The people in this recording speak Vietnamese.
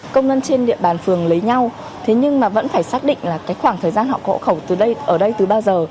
công dân trên địa bàn phường lấy nhau thế nhưng mà vẫn phải xác định là cái khoảng thời gian họ có ổ khẩu ở đây từ bao giờ